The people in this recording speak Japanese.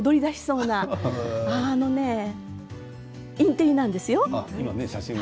よさこいを踊りだしそうなインテリなんですよ。